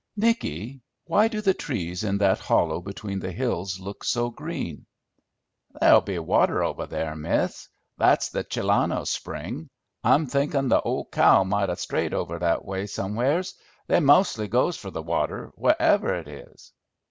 "Nicky, why do the trees in that hollow between the hills look so green?" "There'll be water over there, miss; that's the Chilano's spring. I'm thinkin' the old cow might 'a' strayed over that way somewheres; they mostly goes for the water, wherever it is."